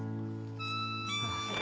ああ。